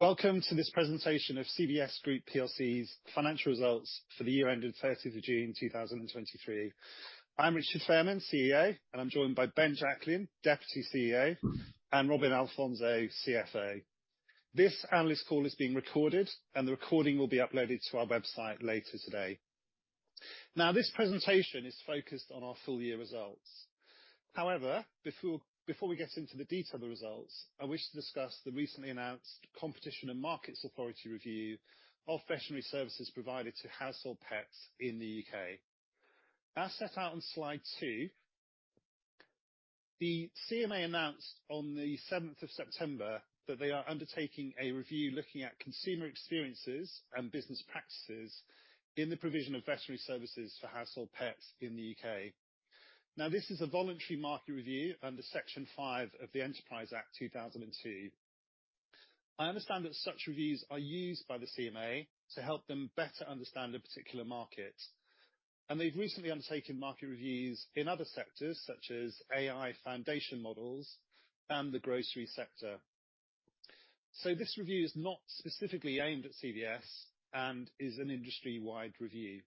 Welcome to this presentation of CVS Group PLC's financial results for the year ended 30 of June 2023. I'm Richard Fairman, CEO, and I'm joined by Ben Jacklin, Deputy CEO, and Robin Alfonso, CFO. This analyst call is being recorded, and the recording will be uploaded to our website later today. Now, this presentation is focused on our full year results. However, before we get into the detail of the results, I wish to discuss the recently announced Competition and Markets Authority review of veterinary services provided to household pets in the U.K. As set out on Slide 2, the CMA announced on the 7 of September that they are undertaking a review looking at consumer experiences and business practices in the provision of veterinary services for household pets in the U.K. Now, this is a voluntary market review under Section 5 of the Enterprise Act 2002. I understand that such reviews are used by the CMA to help them better understand a particular market, and they've recently undertaken market reviews in other sectors, such as AI foundation models and the grocery sector. So this review is not specifically aimed at CVS and is an industry-wide review.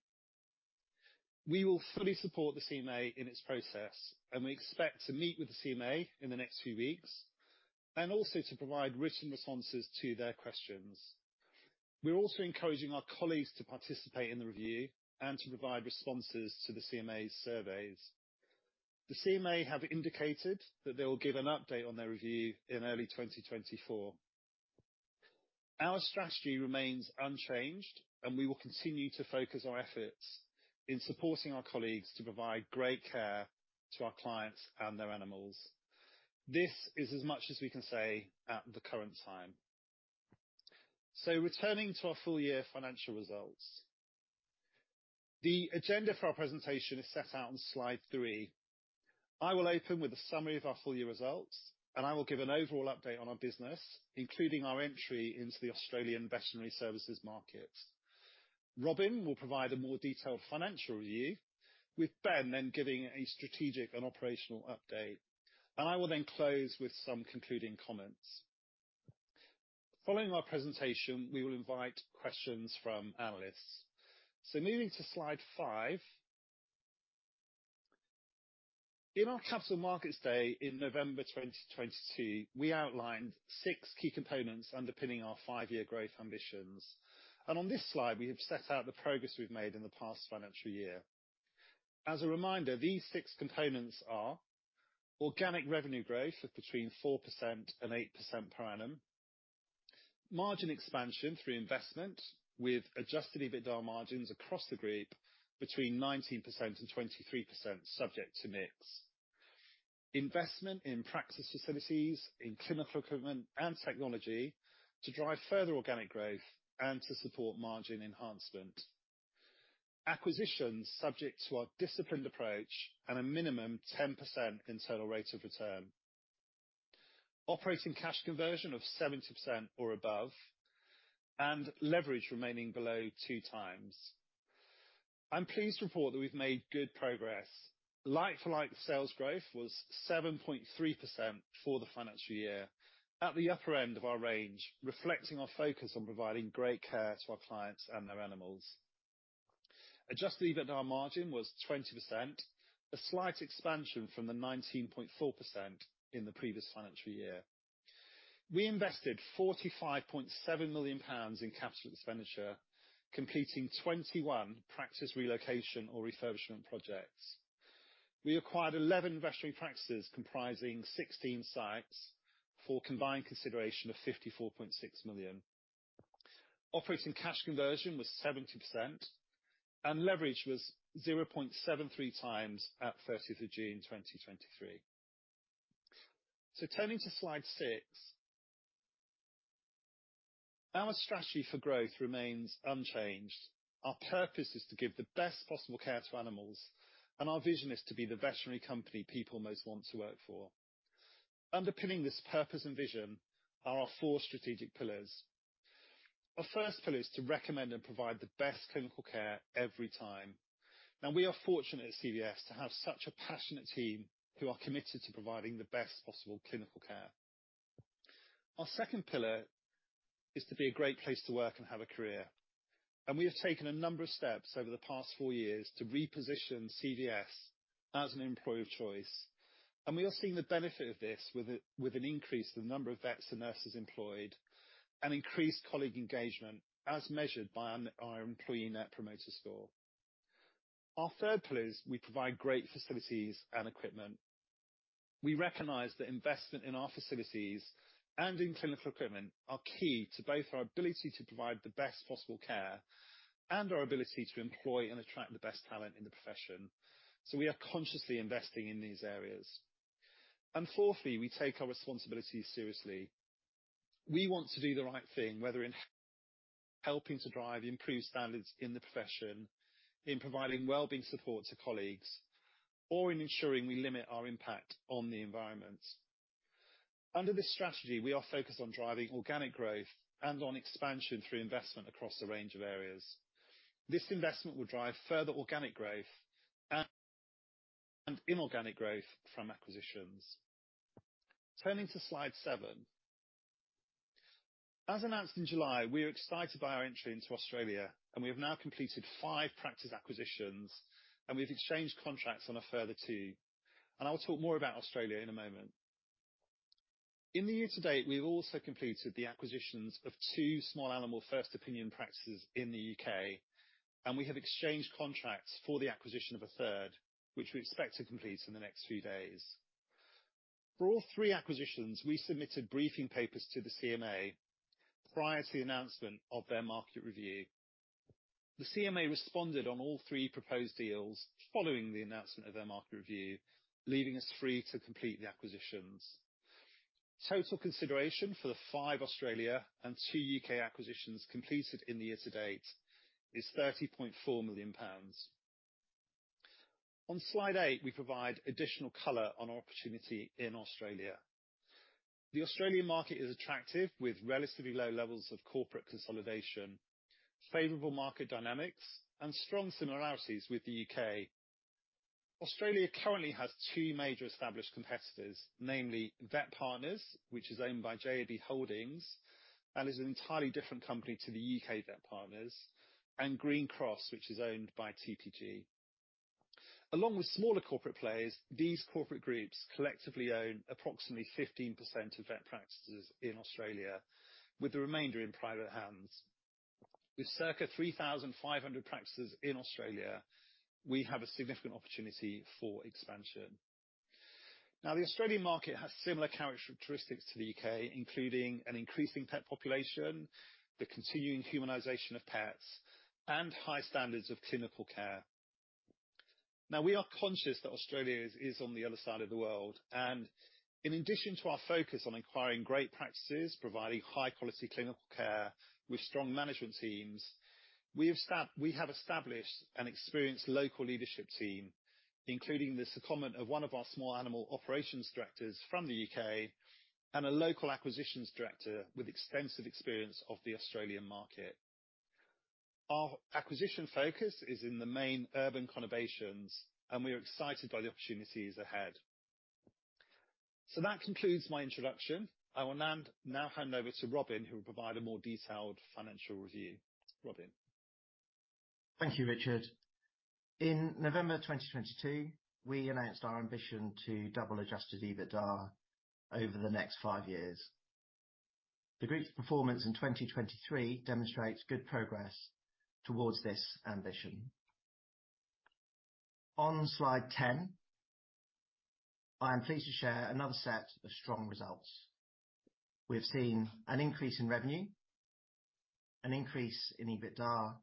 We will fully support the CMA in its process, and we expect to meet with the CMA in the next few weeks and also to provide written responses to their questions. We're also encouraging our colleagues to participate in the review and to provide responses to the CMA's surveys. The CMA have indicated that they will give an update on their review in early 2024. Our strategy remains unchanged, and we will continue to focus our efforts in supporting our colleagues to provide great care to our clients and their animals. This is as much as we can say at the current time. Returning to our full year financial results. The agenda for our presentation is set out on Slide 3. I will open with a summary of our full year results, and I will give an overall update on our business, including our entry into the Australian veterinary services market. Robin will provide a more detailed financial review, with Ben then giving a strategic and operational update, and I will then close with some concluding comments. Following our presentation, we will invite questions from analysts. Moving to Slide 5. In our Capital Markets Day in November 2022, we outlined six key components underpinning our five-year growth ambitions, and on this Slide, we have set out the progress we've made in the past financial year. As a reminder, these six components are: organic revenue growth of between 4% and 8% per annum, margin expansion through investment, with adjusted EBITDA margins across the group between 19%-23%, subject to mix. Investment in practice facilities, in clinical equipment and technology to drive further organic growth and to support margin enhancement. Acquisitions subject to our disciplined approach and a minimum 10% internal rate of return. Operating cash conversion of 70% or above, and leverage remaining below 2x. I'm pleased to report that we've made good progress. Like-for-like sales growth was 7.3% for the financial year, at the upper end of our range, reflecting our focus on providing great care to our clients and their animals. Adjusted EBITDA margin was 20%, a slight expansion from the 19.4% in the previous financial year. We invested 45.7 million pounds in capital expenditure, completing 21 practice relocation or refurbishment projects. We acquired 11 veterinary practices, comprising 16 sites for a combined consideration of 54.6 million. Operating cash conversion was 70%, and leverage was 0.73 times at 30th of June, 2023. Turning to Slide 6, our strategy for growth remains unchanged. Our purpose is to give the best possible care to animals, and our vision is to be the veterinary company people most want to work for. Underpinning this purpose and vision are our four strategic pillars. Our first pillar is to recommend and provide the best clinical care every time. Now, we are fortunate at CVS to have such a passionate team who are committed to providing the best possible clinical care. Our second pillar is to be a great place to work and have a career, and we have taken a number of steps over the past four years to reposition CVS as an employer of choice. We are seeing the benefit of this with an increase in the number of vets and nurses employed and increased colleague engagement as measured by our Employee Net Promoter Score. Our third pillar is we provide great facilities and equipment. We recognize that investment in our facilities and in clinical equipment are key to both our ability to provide the best possible care and our ability to employ and attract the best talent in the profession, so we are consciously investing in these areas. And fourthly, we take our responsibilities seriously. We want to do the right thing, whether in helping to drive improved standards in the profession, in providing wellbeing support to colleagues, or in ensuring we limit our impact on the environment. Under this strategy, we are focused on driving organic growth and on expansion through investment across a range of areas. This investment will drive further organic growth and inorganic growth from acquisitions. Turning to Slide 7. As announced in July, we are excited by our entry into Australia, and we have now completed 5 practice acquisitions, and we've exchanged contracts on a further 2. I'll talk more about Australia in a moment. In the year to date, we've also completed the acquisitions of two small animal first opinion practices in the U.K., and we have exchanged contracts for the acquisition of a third, which we expect to complete in the next few days. For all three acquisitions, we submitted briefing papers to the CMA prior to the announcement of their market review. The CMA responded on all three proposed deals following the announcement of their market review, leaving us free to complete the acquisitions. Total consideration for the five Australia and two U.K. acquisitions completed in the year to date is 30.4 million pounds. On Slide 8, we provide additional color on our opportunity in Australia. The Australian market is attractive, with relatively low levels of corporate consolidation, favorable market dynamics, and strong similarities with the U.K. Australia currently has two major established competitors, namely VetPartners, which is owned by JAB Holding Company and is an entirely different company to the U.K. VetPartners, and Greencross, which is owned by TPG. Along with smaller corporate players, these corporate groups collectively own approximately 15% of vet practices in Australia, with the remainder in private hands. With circa 3,500 practices in Australia, we have a significant opportunity for expansion. Now, the Australian market has similar characteristics to the U.K., including an increasing pet population, the continuing humanization of pets, and high standards of clinical care. Now, we are conscious that Australia is on the other side of the world, and in addition to our focus on acquiring great practices, providing high-quality clinical care with strong management teams, we have established an experienced local leadership team, including the secondment of one of our small animal operations directors from the U.K. and a local acquisitions director with extensive experience of the Australian market. Our acquisition focus is in the main urban conurbations, and we are excited by the opportunities ahead. So that concludes my introduction. I will now hand over to Robin, who will provide a more detailed financial review. Robin? Thank you, Richard. In November 2022, we announced our ambition to double adjusted EBITDA over the next 5 years. The group's performance in 2023 demonstrates good progress towards this ambition. On Slide 10, I am pleased to share another set of strong results. We've seen an increase in revenue, an increase in EBITDA.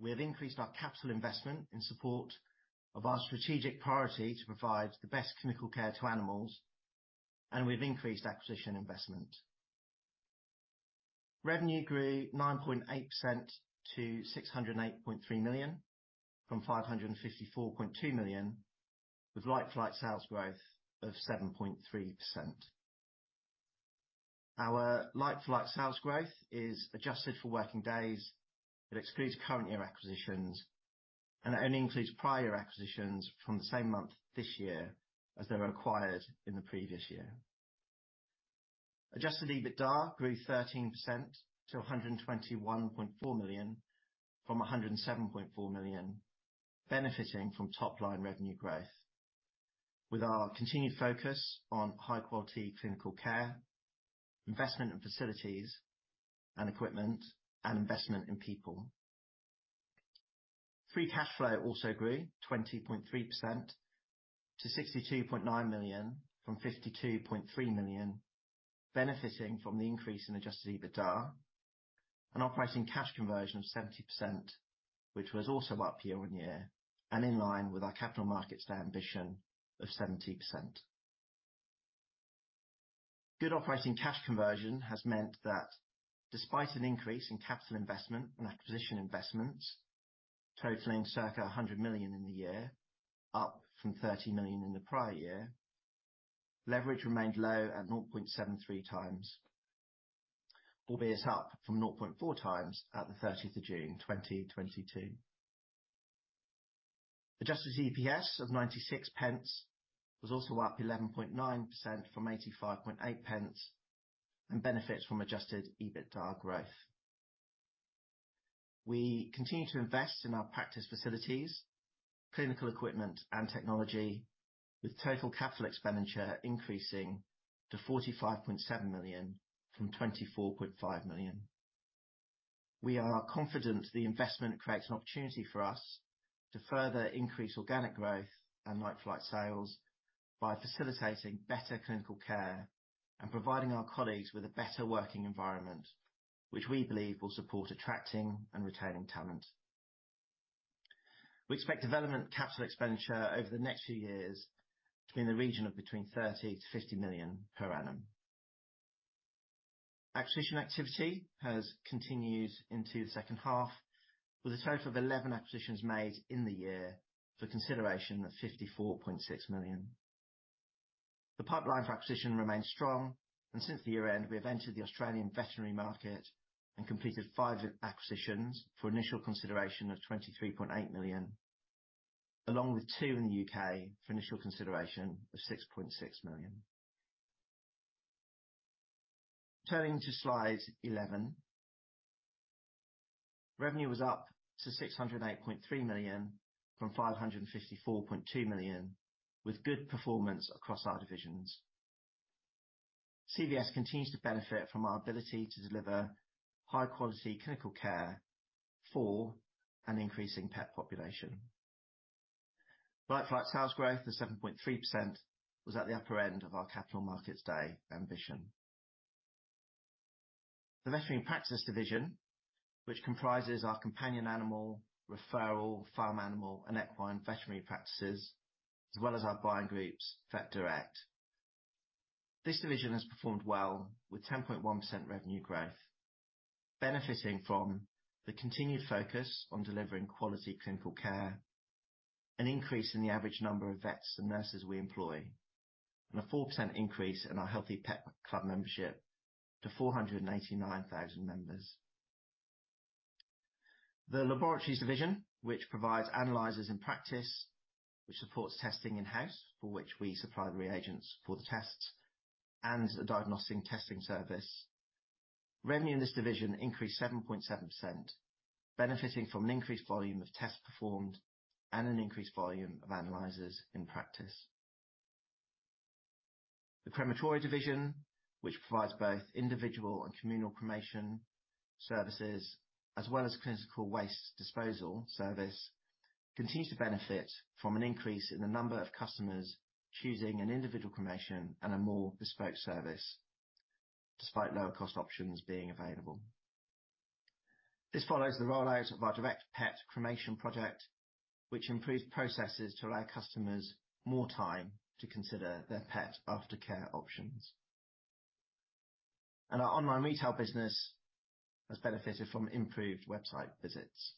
We have increased our capital investment in support of our strategic priority to provide the best clinical care to animals, and we've increased acquisition investment. Revenue grew 9.8% to 608.3 million, from 554.2 million, with like-for-like sales growth of 7.3%. Our like-for-like sales growth is adjusted for working days. It excludes current year acquisitions, and it only includes prior acquisitions from the same month this year as they were acquired in the previous year. Adjusted EBITDA grew 13% to 121.4 million, from 107.4 million, benefiting from top-line revenue growth with our continued focus on high-quality clinical care, investment in facilities and equipment, and investment in people. Free cash flow also grew 20.3% to 62.9 million from 52.3 million, benefiting from the increase in adjusted EBITDA and operating cash conversion of 70%, which was also up year-on-year and in line with our capital markets ambition of 70%. Good operating cash conversion has meant that despite an increase in capital investment and acquisition investments totaling circa 100 million in the year, up from 30 million in the prior year, leverage remained low at 0.73 times, albeit up from 0.4 times at the thirtieth of June 2022. Adjusted EPS of 0.96 was also up 11.9% from 0.858 and benefits from adjusted EBITDA growth. We continue to invest in our practice facilities, clinical equipment, and technology, with total capital expenditure increasing to 45.7 million from 24.5 million. We are confident the investment creates an opportunity for us to further increase organic growth and like-for-like sales by facilitating better clinical care and providing our colleagues with a better working environment, which we believe will support attracting and retaining talent. We expect development capital expenditure over the next few years to be in the region of between 30 million to 50 million per annum. Acquisition activity has continued into the second half, with a total of 11 acquisitions made in the year, for consideration of 54.6 million. The pipeline for acquisition remains strong, and since the year-end, we have entered the Australian veterinary market and completed five acquisitions for initial consideration of 23.8 million, along with two in the U.K. for initial consideration of 6.6 million. Turning to Slide 11, revenue was up to 608.3 million, from 554.2 million, with good performance across our divisions. CVS continues to benefit from our ability to deliver high quality clinical care for an increasing pet population. Like-for-like sales growth of 7.3% was at the upper end of our Capital Markets Day ambition. The veterinary practice division, which comprises our companion animal, referral, farm animal, and equine veterinary practices, as well as our buying groups, VetDirect. This division has performed well, with 10.1% revenue growth, benefiting from the continued focus on delivering quality clinical care, an increase in the average number of vets and nurses we employ, and a 4% increase in our Healthy Pet Club membership to 489,000 members. The laboratories division, which provides analyzers in practice, which supports testing in-house, for which we supply the reagents for the tests and a diagnostic testing service. Revenue in this division increased 7.7%, benefiting from an increased volume of tests performed and an increased volume of analyzers in practice. The Crematory division, which provides both individual and communal cremation services, as well as clinical waste disposal service, continues to benefit from an increase in the number of customers choosing an individual cremation and a more bespoke service, despite lower cost options being available. This follows the rollout of our direct pet cremation project, which improved processes to allow customers more time to consider their pet aftercare options. Our online retail business has benefited from improved website visits.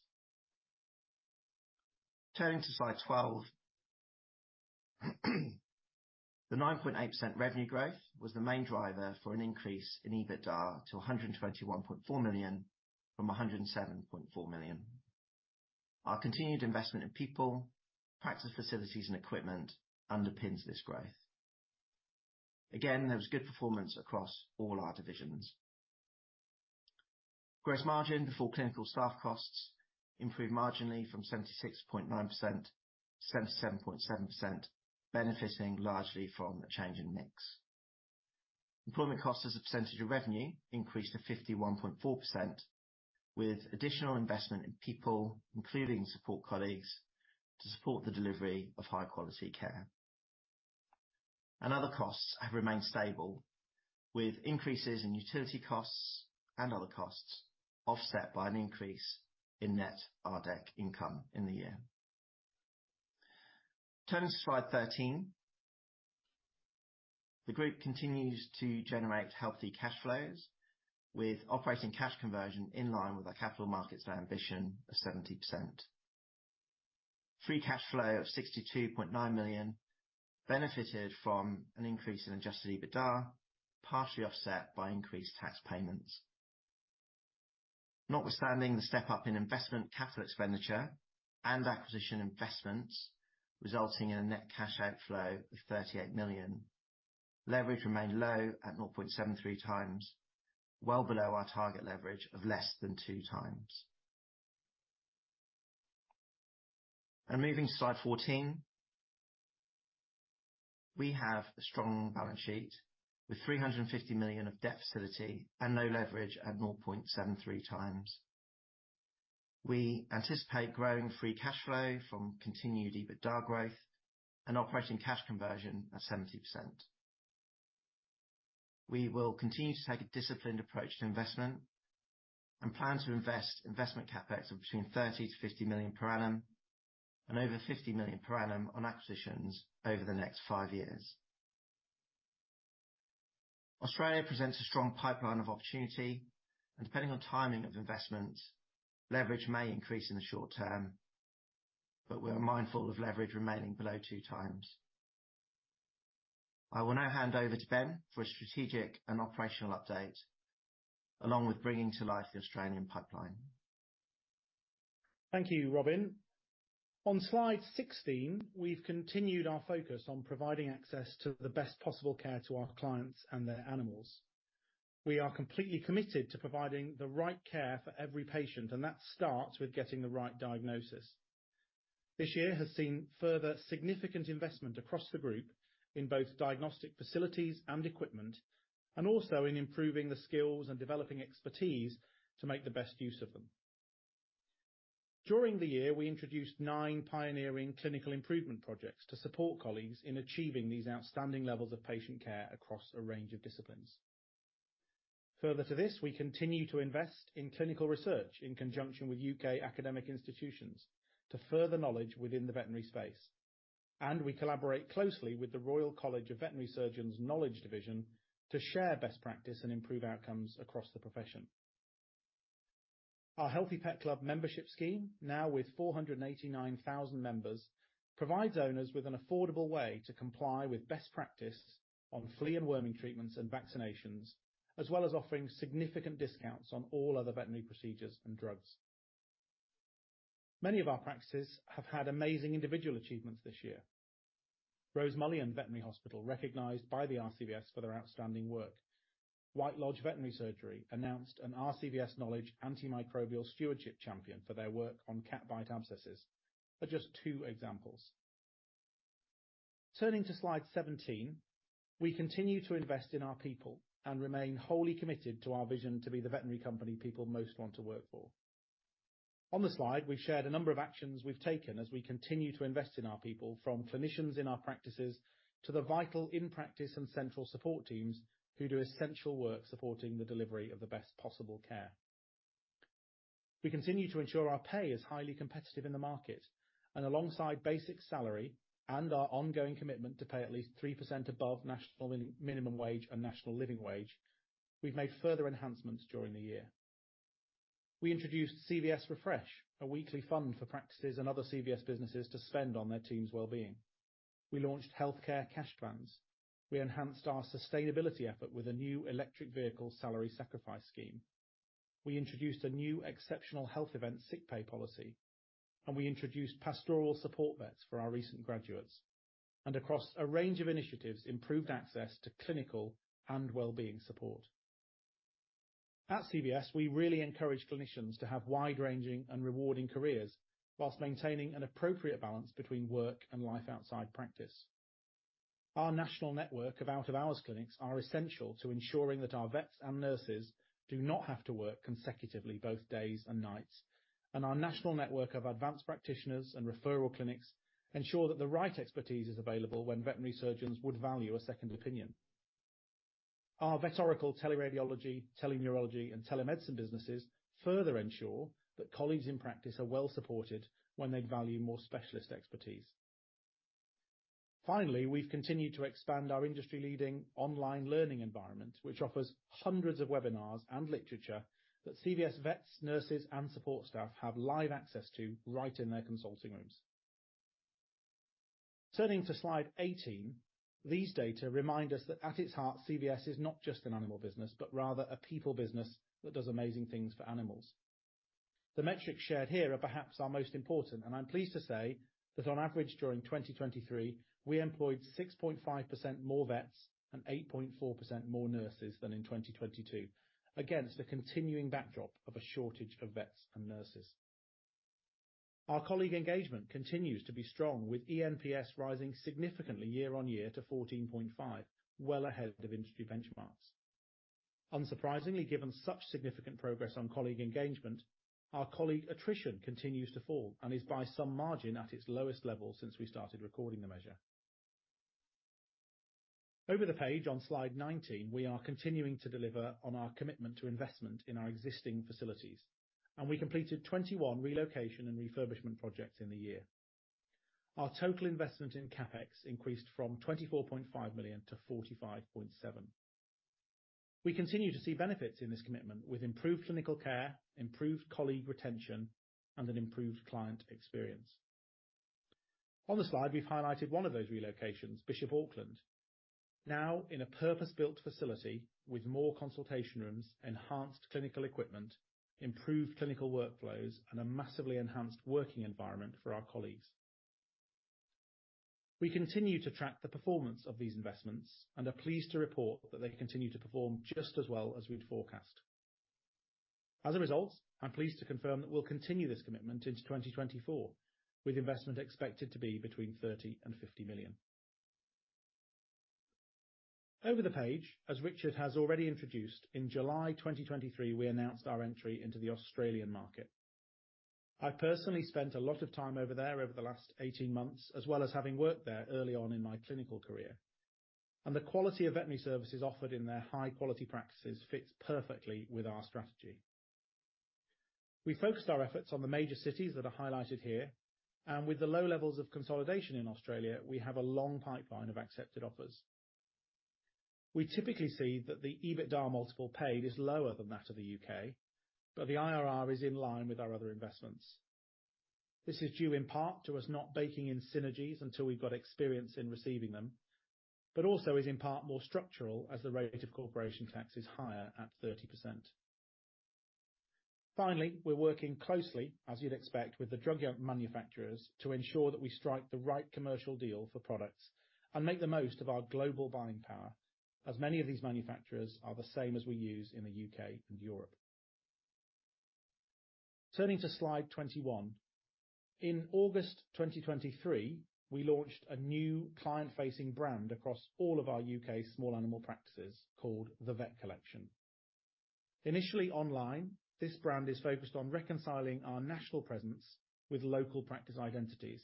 Turning to Slide 12. The 9.8% revenue growth was the main driver for an increase in EBITDA to 121.4 million, from 107.4 million. Our continued investment in people, practice, facilities, and equipment underpins this growth. Again, there was good performance across all our divisions. Gross margin before clinical staff costs improved marginally from 76.9% to 77.7%, benefiting largely from a change in mix. Employment costs as a percentage of revenue increased to 51.4%, with additional investment in people, including support colleagues, to support the delivery of high quality care. Other costs have remained stable, with increases in utility costs and other costs offset by an increase in net RDEC income in the year. Turning to Slide 13, the group continues to generate healthy cash flows, with operating cash conversion in line with our capital markets ambition of 70%. Free cash flow of 62.9 million benefited from an increase in adjusted EBITDA, partially offset by increased tax payments. Notwithstanding the step up in investment capital expenditure and acquisition investments, resulting in a net cash outflow of 38 million, leverage remained low at 0.73 times, well below our target leverage of less than 2 times. Moving to Slide 14, we have a strong balance sheet with 350 million of debt facility and net leverage at 0.73 times. We anticipate growing free cash flow from continued EBITDA growth and operating cash conversion at 70%. We will continue to take a disciplined approach to investment and plan to invest investment CapEx of between 30 million-50 million per annum, and over 50 million per annum on acquisitions over the next five years. Australia presents a strong pipeline of opportunity, and depending on timing of investment, leverage may increase in the short term, but we're mindful of leverage remaining below 2x. I will now hand over to Ben for a strategic and operational update, along with bringing to life the Australian pipeline. Thank you, Robin. On Slide 16, we've continued our focus on providing access to the best possible care to our clients and their animals. We are completely committed to providing the right care for every patient, and that starts with getting the right diagnosis. This year has seen further significant investment across the group in both diagnostic facilities and equipment, and also in improving the skills and developing expertise to make the best use of them. During the year, we introduced nine pioneering clinical improvement projects to support colleagues in achieving these outstanding levels of patient care across a range of disciplines. Further to this, we continue to invest in clinical research in conjunction with U.K. academic institutions to further knowledge within the veterinary space. We collaborate closely with the Royal College of Veterinary Surgeons Knowledge Division to share best practice and improve outcomes across the profession.... Our Healthy Pet Club membership scheme, now with 489,000 members, provides owners with an affordable way to comply with best practice on flea and worming treatments and vaccinations, as well as offering significant discounts on all other veterinary procedures and drugs. Many of our practices have had amazing individual achievements this year. Rosemullion Veterinary Practice, recognized by the RCVS for their outstanding work. White Lodge Veterinary Surgery announced an RCVS Knowledge Antimicrobial Stewardship Champion for their work on cat bite abscesses, are just two examples. Turning to Slide 17, we continue to invest in our people, and remain wholly committed to our vision to be the veterinary company people most want to work for. On the Slide, we've shared a number of actions we've taken as we continue to invest in our people, from clinicians in our practices, to the vital in-practice and central support teams, who do essential work supporting the delivery of the best possible care. We continue to ensure our pay is highly competitive in the market, and alongside basic salary and our ongoing commitment to pay at least 3% above National Minimum Wage and National Living Wage, we've made further enhancements during the year. We introduced CVS Refresh, a weekly fund for practices and other CVS businesses to spend on their team's well-being. We launched healthcare cash plans. We enhanced our sustainability effort with a new electric vehicle salary sacrifice scheme. We introduced a new exceptional health event sick pay policy, and we introduced pastoral support vets for our recent graduates, and across a range of initiatives, improved access to clinical and well-being support. At CVS, we really encourage clinicians to have wide-ranging and rewarding careers, whilst maintaining an appropriate balance between work and life outside practice. Our national network of out-of-hours clinics are essential to ensuring that our vets and nurses do not have to work consecutively, both days and nights, and our national network of advanced practitioners and referral clinics ensure that the right expertise is available when veterinary surgeons would value a second opinion. Our VetOracle teleradiology, teleneurology, and telemedicine businesses further ensure that colleagues in practice are well supported when they value more specialist expertise. Finally, we've continued to expand our industry-leading online learning environment, which offers hundreds of webinars and literature that CVS vets, nurses, and support staff have live access to right in their consulting rooms. Turning to Slide 18, these data remind us that at its heart, CVS is not just an animal business, but rather a people business that does amazing things for animals. The metrics shared here are perhaps our most important, and I'm pleased to say that on average, during 2023, we employed 6.5% more vets and 8.4% more nurses than in 2022. Against a continuing backdrop of a shortage of vets and nurses, our colleague engagement continues to be strong, with eNPS rising significantly year-on-year to 14.5, well ahead of industry benchmarks. Unsurprisingly, given such significant progress on colleague engagement, our colleague attrition continues to fall and is by some margin, at its lowest level since we started recording the measure. Over the page on Slide 19, we are continuing to deliver on our commitment to investment in our existing facilities, and we completed 21 relocation and refurbishment projects in the year. Our total investment in CapEx increased from 24.5 million to 45.7 million. We continue to see benefits in this commitment with improved clinical care, improved colleague retention, and an improved client experience. On the Slide, we've highlighted one of those relocations, Bishop Auckland. Now, in a purpose-built facility with more consultation rooms, enhanced clinical equipment, improved clinical workflows, and a massively enhanced working environment for our colleagues. We continue to track the performance of these investments and are pleased to report that they continue to perform just as well as we'd forecast. As a result, I'm pleased to confirm that we'll continue this commitment into 2024, with investment expected to be between 30 million-50 million. Over the page, as Richard has already introduced, in July 2023, we announced our entry into the Australian market. I personally spent a lot of time over there over the last 18 months, as well as having worked there early on in my clinical career, and the quality of veterinary services offered in their high-quality practices fits perfectly with our strategy. We focused our efforts on the major cities that are highlighted here, and with the low levels of consolidation in Australia, we have a long pipeline of accepted offers. We typically see that the EBITDA multiple paid is lower than that of the U.K., but the IRR is in line with our other investments. This is due in part to us not baking in synergies until we've got experience in receiving them, but also is in part more structural as the rate of corporation tax is higher at 30%. Finally, we're working closely, as you'd expect, with the drug manufacturers, to ensure that we strike the right commercial deal for products and make the most of our global buying power, as many of these manufacturers are the same as we use in the U.K. and Europe. Turning to Slide 21. In August 2023, we launched a new client-facing brand across all of our U.K. small animal practices called The Vet Collection. Initially online, this brand is focused on reconciling our national presence with local practice identities,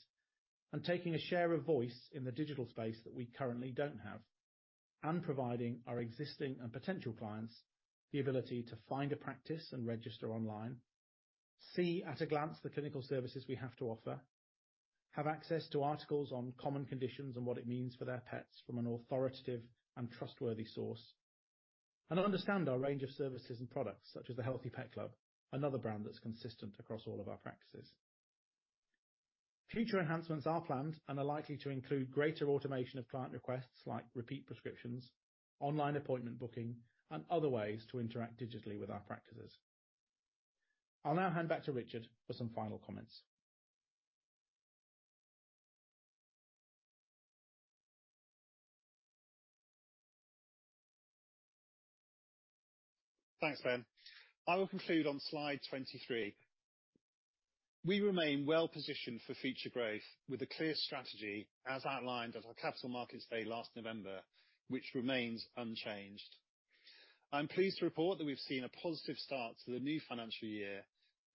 taking a share of voice in the digital space that we currently don't have, and providing our existing and potential clients the ability to find a practice and register online, see at a glance the clinical services we have to offer, have access to articles on common conditions and what it means for their pets from an authoritative and trustworthy source, and understand our range of services and products, such as The Healthy Pet Club, another brand that's consistent across all of our practices. Future enhancements are planned and are likely to include greater automation of client requests, like repeat prescriptions, online appointment booking, and other ways to interact digitally with our practices. I'll now hand back to Richard for some final comments. Thanks, Ben. I will conclude on Slide 23. We remain well-positioned for future growth, with a clear strategy, as outlined at our Capital Markets Day last November, which remains unchanged. I'm pleased to report that we've seen a positive start to the new financial year,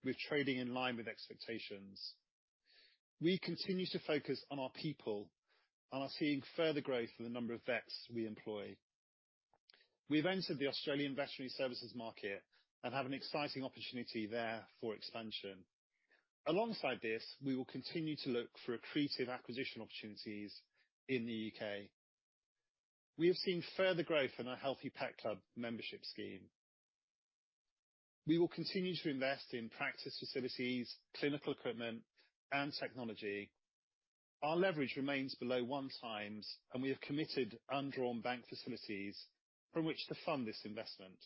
with trading in line with expectations. We continue to focus on our people and are seeing further growth in the number of vets we employ. We've entered the Australian veterinary services market and have an exciting opportunity there for expansion. Alongside this, we will continue to look for accretive acquisition opportunities in the U.K. We have seen further growth in our Healthy Pet Club membership scheme. We will continue to invest in practice facilities, clinical equipment, and technology. Our leverage remains below 1x, and we have committed undrawn bank facilities from which to fund this investment.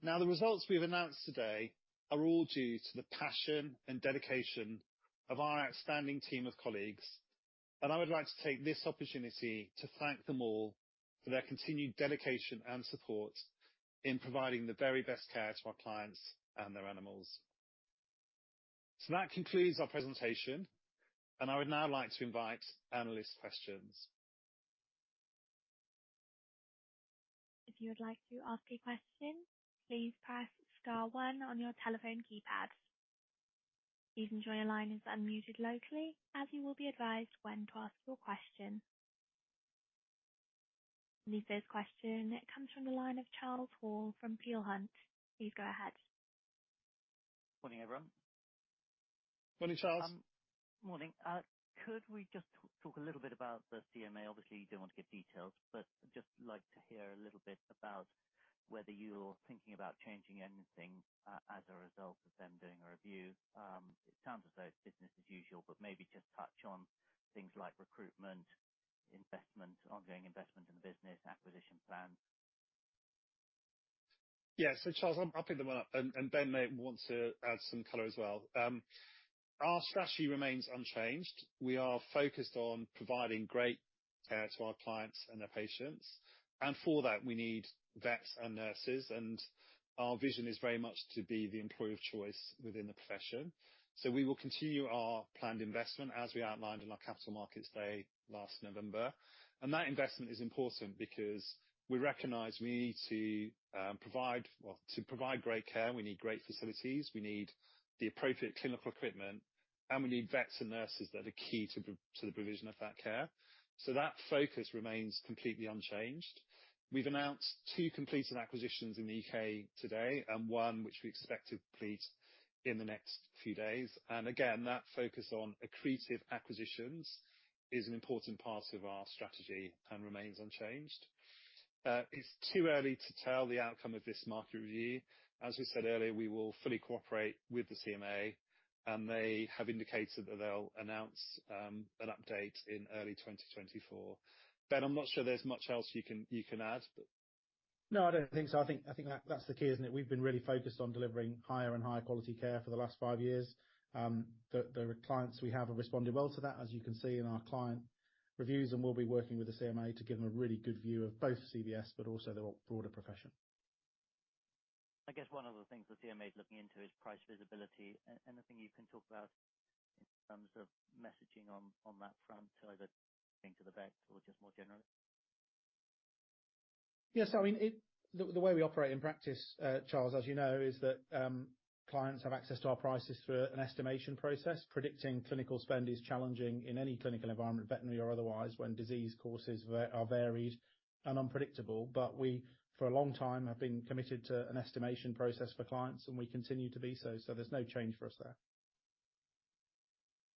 Now, the results we've announced today are all due to the passion and dedication of our outstanding team of colleagues, and I would like to take this opportunity to thank them all for their continued dedication and support in providing the very best care to our clients and their animals. So that concludes our presentation, and I would now like to invite analyst questions. If you would like to ask a question, please press star one on your telephone keypad. Please ensure your line is unmuted locally, as you will be advised when to ask your question. The first question comes from the line of Charles Hall from Peel Hunt. Please go ahead. Morning, everyone. Morning, Charles. Morning. Could we just talk a little bit about the CMA? Obviously, you don't want to give details, but just like to hear a little bit about whether you're thinking about changing anything, as a result of them doing a review. It sounds as though it's business as usual, but maybe just touch on things like recruitment, investment, ongoing investment in the business, acquisition plans. Yeah. So, Charles, I'll pick them up, and Ben may want to add some color as well. Our strategy remains unchanged. We are focused on providing great care to our clients and their patients, and for that, we need vets and nurses, and our vision is very much to be the employer of choice within the profession. So we will continue our planned investment as we outlined in our Capital Markets Day last November, and that investment is important because we recognize we need to provide. Well, to provide great care, we need great facilities, we need the appropriate clinical equipment, and we need vets and nurses that are key to the provision of that care. So that focus remains completely unchanged. We've announced two completed acquisitions in the U.K. today, and one which we expect to complete in the next few days. And again, that focus on accretive acquisitions is an important part of our strategy and remains unchanged. It's too early to tell the outcome of this market review. As we said earlier, we will fully cooperate with the CMA, and they have indicated that they'll announce an update in early 2024. Ben, I'm not sure there's much else you can add, but. No, I don't think so. I think that's the key, isn't it? We've been really focused on delivering higher and higher quality care for the last five years. The clients we have are responding well to that, as you can see in our client reviews, and we'll be working with the CMA to give them a really good view of both CVS but also the broader profession. I guess one of the things the CMA is looking into is price visibility. Anything you can talk about in terms of messaging on that front, either to the vets or just more generally? Yes, I mean, it, the way we operate in practice, Charles, as you know, is that, clients have access to our prices through an estimation process. Predicting clinical spend is challenging in any clinical environment, veterinary or otherwise, when disease courses are varied and unpredictable. But we, for a long time, have been committed to an estimation process for clients, and we continue to be so, so there's no change for us there.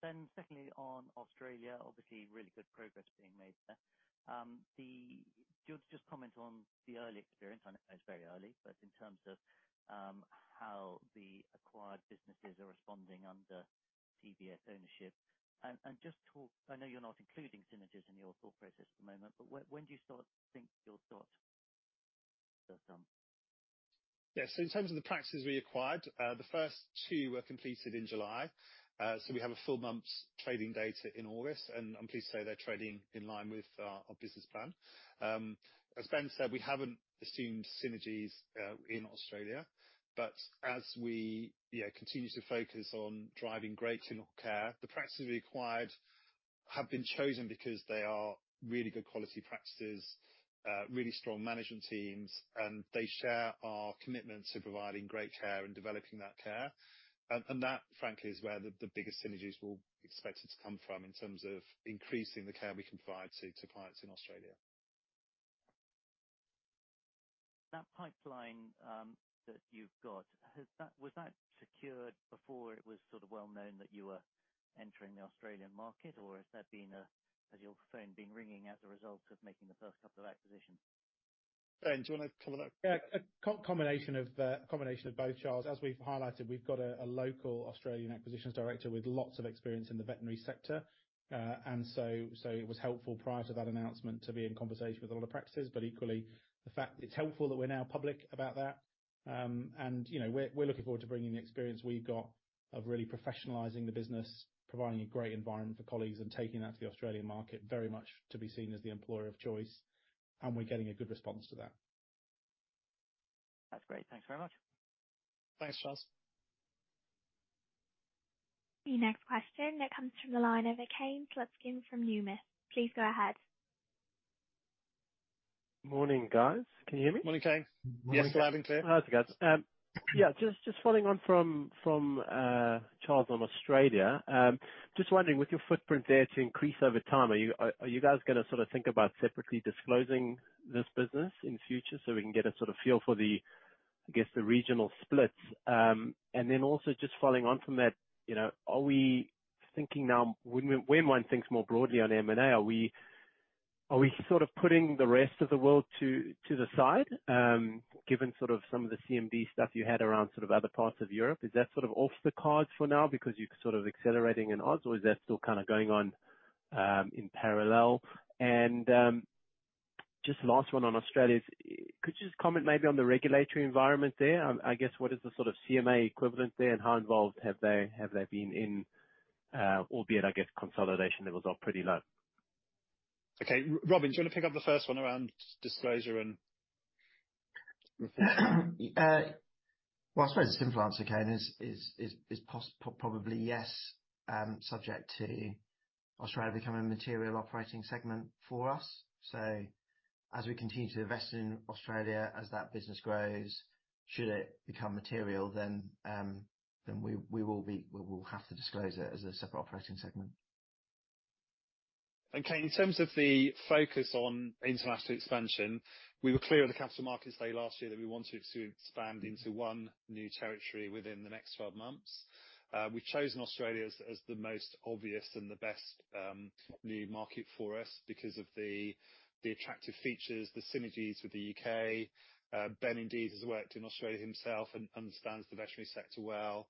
Then secondly, on Australia, obviously really good progress being made there. The—do you want to just comment on the early experience? I know it's very early, but in terms of how the acquired businesses are responding under CVS ownership. And just talk—I know you're not including synergies in your thought process at the moment, but when do you start to think you'll start some? Yes. In terms of the practices we acquired, the first two were completed in July. We have a full month's trading data in August, and I'm pleased to say they're trading in line with our business plan. As Ben said, we haven't assumed synergies in Australia, but as we continue to focus on driving great clinical care, the practices we acquired have been chosen because they are really good quality practices, really strong management teams, and they share our commitment to providing great care and developing that care. That, frankly, is where the biggest synergies are expected to come from in terms of increasing the care we can provide to clients in Australia.... That pipeline that you've got, was that secured before it was sort of well known that you were entering the Australian market? Or has your phone been ringing as a result of making the first couple of acquisitions? Ben, do you wanna cover that? Yeah, a combination of both, Charles. As we've highlighted, we've got a local Australian acquisitions director with lots of experience in the veterinary sector. And so it was helpful prior to that announcement to be in conversation with a lot of practices. But equally, the fact it's helpful that we're now public about that. And you know, we're looking forward to bringing the experience we've got of really professionalizing the business, providing a great environment for colleagues, and taking that to the Australian market, very much to be seen as the employer of choice, and we're getting a good response to that. That's great. Thanks very much. Thanks, Charles. The next question comes from the line of Kane Slutzkin from Numis. Please go ahead. Morning, guys. Can you hear me? Morning, Kane. Morning. Yes, loud and clear. How's it, guys? Yeah, just following on from Charles on Australia. Just wondering, with your footprint there to increase over time, are you guys gonna sort of think about separately disclosing this business in the future so we can get a sort of feel for the, I guess, the regional splits? And then also just following on from that, you know, are we thinking now, when one thinks more broadly on M&A, are we sort of putting the rest of the world to the side, given sort of some of the CMD stuff you had around sort of other parts of Europe? Is that sort of off the cards for now because you're sort of accelerating in Aus, or is that still kind of going on in parallel? Just last one on Australia: could you just comment maybe on the regulatory environment there? I guess, what is the sort of CMA equivalent there, and how involved have they been in, albeit, I guess consolidation levels are pretty low. Okay. Robin, do you want to pick up the first one around disclosure and... Well, I suppose the simple answer, Kane, is probably yes, subject to Australia becoming a material operating segment for us. So as we continue to invest in Australia, as that business grows, should it become material, then we will have to disclose it as a separate operating segment. Kane, in terms of the focus on international expansion, we were clear at the Capital Markets Day last year that we wanted to expand into one new territory within the next 12 months. We've chosen Australia as the most obvious and the best new market for us because of the attractive features, the synergies with the U.K. Ben indeed has worked in Australia himself and understands the veterinary sector well.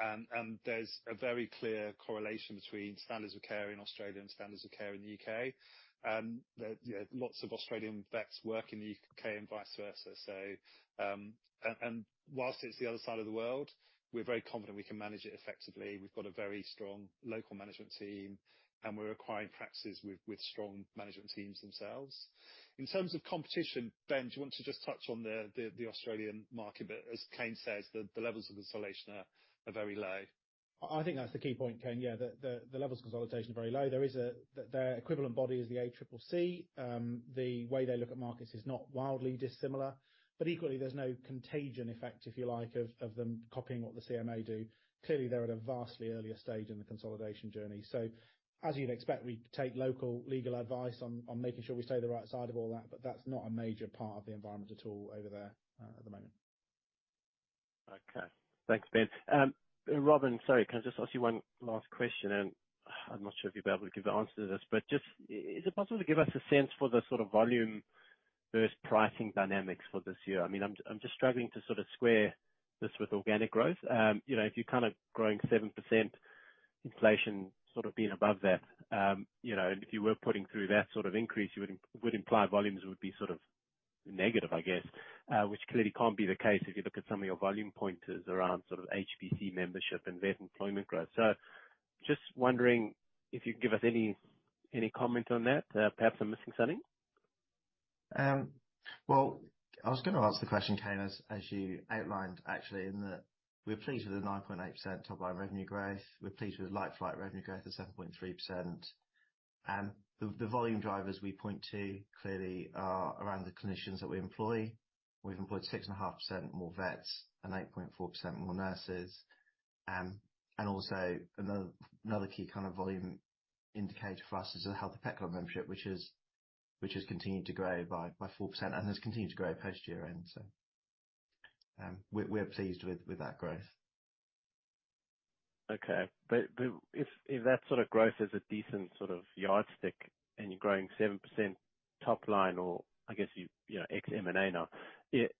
I mean, there's a very clear correlation between standards of care in Australia and standards of care in the U.K. Yeah, lots of Australian vets work in the U.K. and vice versa. Whilst it's the other side of the world, we're very confident we can manage it effectively. We've got a very strong local management team, and we're acquiring practices with strong management teams themselves. In terms of competition, Ben, do you want to just touch on the Australian market a bit? As Kane says, the levels of consolidation are very low. I think that's the key point, Kane. Yeah, the levels of consolidation are very low. There is a. Their equivalent body is the ACCC. The way they look at markets is not wildly dissimilar, but equally, there's no contagion effect, if you like, of them copying what the CMA do. Clearly, they're at a vastly earlier stage in the consolidation journey. So as you'd expect, we take local legal advice on making sure we stay the right side of all that, but that's not a major part of the environment at all over there at the moment. Okay. Thanks, Ben. Robin, sorry, can I just ask you one last question? And I'm not sure if you'll be able to give the answer to this, but just is it possible to give us a sense for the sort of volume versus pricing dynamics for this year? I mean, I'm just struggling to sort of square this with organic growth. You know, if you're kind of growing 7%, inflation sort of being above that, you know, and if you were putting through that sort of increase, you would imply volumes would be sort of negative, I guess. Which clearly can't be the case if you look at some of your volume pointers around sort of HPC membership and vet employment growth. So just wondering if you could give us any comment on that. Perhaps I'm missing something? Well, I was gonna ask the question, Kane, as you outlined, actually, in that we're pleased with the 9.8% top line revenue growth. We're pleased with the like-for-like revenue growth of 7.3%. The volume drivers we point to clearly are around the clinicians that we employ. We've employed 6.5% more vets and 8.4% more nurses. Also, another key kind of volume indicator for us is The Healthy Pet Club membership, which has continued to grow by 4% and has continued to grow post-year-end. We're pleased with that growth. Okay. But if that sort of growth is a decent sort of yardstick, and you're growing 7% top line, or I guess you know ex M&A now, it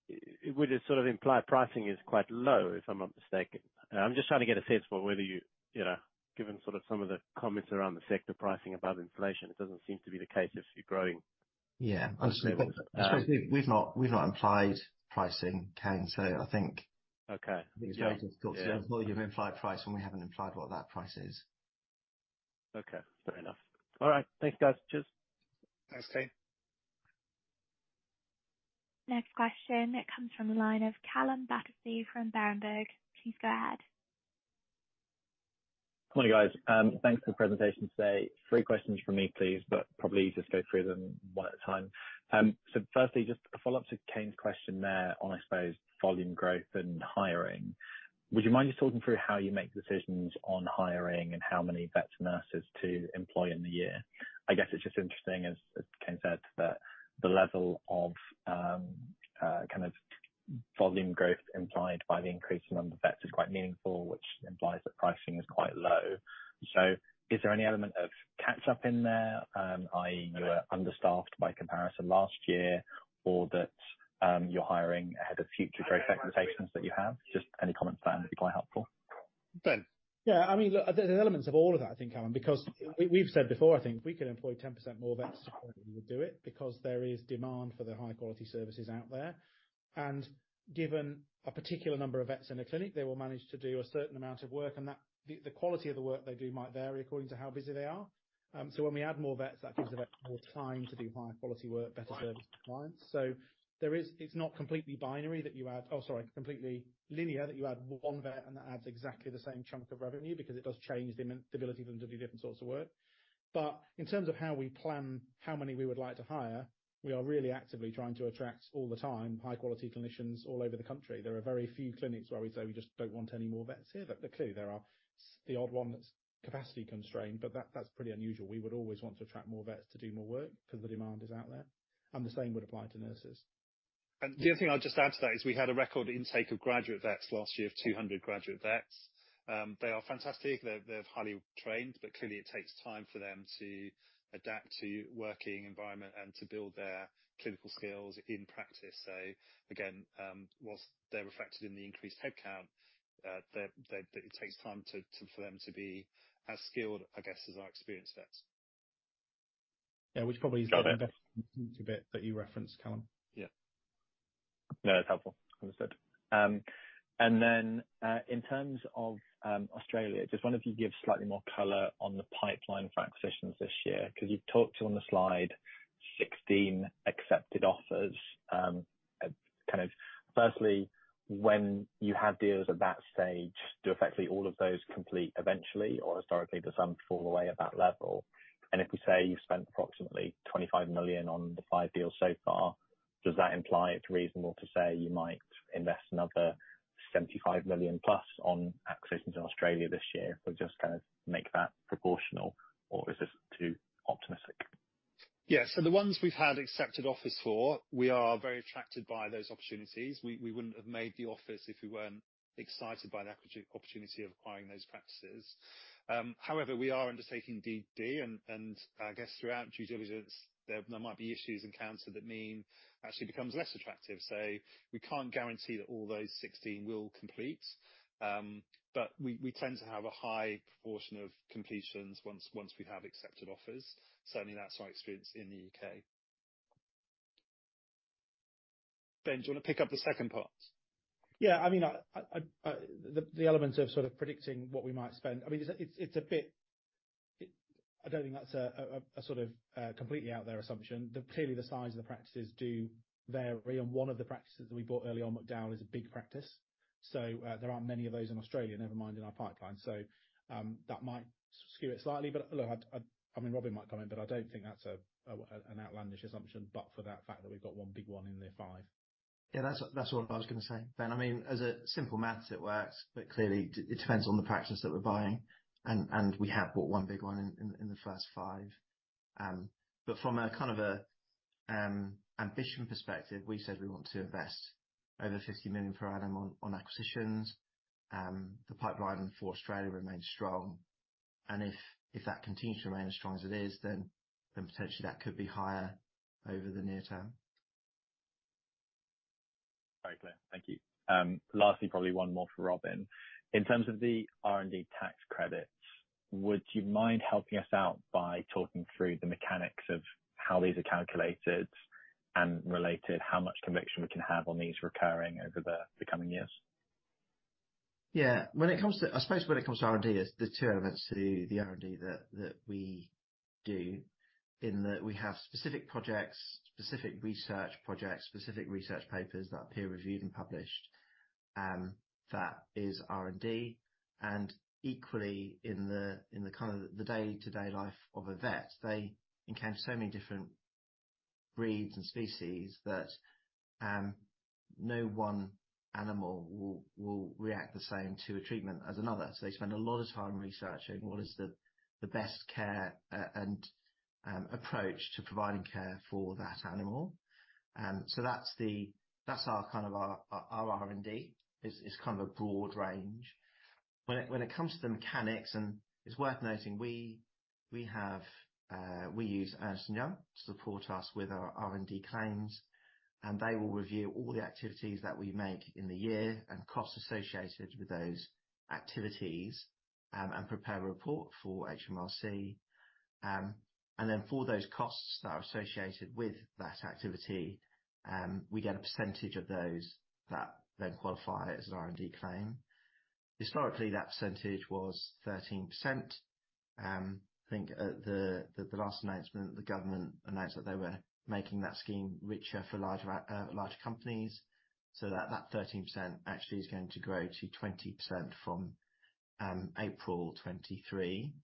would sort of imply pricing is quite low, if I'm not mistaken. I'm just trying to get a sense for whether you know, given sort of some of the comments around the sector pricing above inflation, it doesn't seem to be the case if you're growing. Yeah, absolutely. Uh- We've not implied pricing, Kane, so I think- Okay. We've got to have volume implied price, and we haven't implied what that price is. Okay, fair enough. All right. Thank you, guys. Cheers. Thanks, Kane. Next question comes from the line of Calum Battersby from Berenberg. Please go ahead. Morning, guys. Thanks for the presentation today. Three questions from me, please, but probably just go through them one at a time. So firstly, just a follow-up to Kane's question there on, I suppose, volume growth and hiring. Would you mind just talking through how you make decisions on hiring and how many vets and nurses to employ in the year? I guess it's just interesting, as, as Kane said, that the level of, kind of-... volume growth implied by the increase in number of vets is quite meaningful, which implies that pricing is quite low. So is there any element of catch up in there, i.e. you were understaffed by comparison last year, or that, you're hiring ahead of future growth expectations that you have? Just any comments on that would be quite helpful. Ben? Yeah, I mean, look, there's elements of all of that, I think, Alan, because we've said before, I think, if we could employ 10% more vets, we would do it, because there is demand for the high quality services out there. Given a particular number of vets in a clinic, they will manage to do a certain amount of work, and the quality of the work they do might vary according to how busy they are. When we add more vets, that gives the vet more time to do higher quality work, better service to clients. It's not completely binary, that you add... Oh, sorry, completely linear, that you add one vet, and that adds exactly the same chunk of revenue, because it does change the ability for them to do different sorts of work. But in terms of how we plan, how many we would like to hire, we are really actively trying to attract all the time, high quality clinicians all over the country. There are very few clinics where we say, "We just don't want any more vets here." But clearly, there are. The odd one that's capacity constrained, but that, that's pretty unusual. We would always want to attract more vets to do more work because the demand is out there, and the same would apply to nurses. And the other thing I'll just add to that is we had a record intake of graduate vets last year of 200 graduate vets. They are fantastic. They, they're highly trained, but clearly it takes time for them to adapt to working environment and to build their clinical skills in practice. So again, whilst they're reflected in the increased headcount, they're, they, it takes time to, for them to be as skilled, I guess, as our experienced vets. Yeah, which probably is the best bit that you referenced, Calum. Yeah. No, that's helpful, understood. And then, in terms of, Australia, just wonder if you'd give slightly more color on the pipeline for acquisitions this year, because you talked on the Slide, 16 accepted offers. Kind of firstly, when you have deals at that stage, do effectively all of those complete eventually, or historically, do some fall away at that level? And if we say you've spent approximately 25 million on the five deals so far, does that imply it's reasonable to say you might invest another 75 million plus on acquisitions in Australia this year? Or just kind of make that proportional, or is this too optimistic? Yeah. The ones we've had accepted offers for, we are very attracted by those opportunities. We wouldn't have made the offers if we weren't excited by the opportunity of acquiring those practices. However, we are undertaking DD, and I guess throughout due diligence, there might be issues in cancer that mean it actually becomes less attractive. We can't guarantee that all those 16 will complete. We tend to have a high proportion of completions once we have accepted offers. Certainly, that's my experience in the U.K. Ben, do you want to pick up the second part? Yeah, I mean, the element of sort of predicting what we might spend, I mean, it's a bit- I don't think that's a sort of completely out there assumption. But clearly, the size of the practices do vary, and one of the practices that we bought early on, McDowall, is a big practice. So, there aren't many of those in Australia, never mind in our pipeline. So, that might skew it slightly, but, look, I... I mean, Robin might come in, but I don't think that's an outlandish assumption, but for that fact that we've got one big one in the five. Yeah, that's what I was going to say, Ben. I mean, as a simple maths, it works, but clearly it depends on the practice that we're buying, and we have bought one big one in the first five. I mean, from a kind of ambition perspective, we said we want to invest over 50 million per item on acquisitions. The pipeline for Australia remains strong, and if that continues to remain as strong as it is, then potentially that could be higher over the near term. Very clear. Thank you. Lastly, probably one more for Robin. In terms of the R&D tax credits, would you mind helping us out by talking through the mechanics of how these are calculated and related, how much conviction we can have on these recurring over the coming years? Yeah. When it comes to-- I suppose when it comes to R&D, there's two elements to the R&D that, that we do, in that we have specific projects, specific research projects, specific research papers that are peer reviewed and published, that is R&D. And equally, in the, in the kind of the day-to-day life of a vet, they encounter so many different breeds and species that, no one animal will, will react the same to a treatment as another. So they spend a lot of time researching what is the, the best care, and, approach to providing care for that animal. So that's the-- that's our, kind of our, our R&D, is, is kind of a broad range. When it comes to the mechanics, and it's worth noting, we use Ernst & Young to support us with our R&D claims, and they will review all the activities that we make in the year and costs associated with those activities, and prepare a report for HMRC. And then for those costs that are associated with that activity, we get a percentage of those that then qualify as an R&D claim. Historically, that percentage was 13%. I think at the last announcement, the government announced that they were making that scheme richer for larger companies. So that 13% actually is going to grow to 20% from April 2023.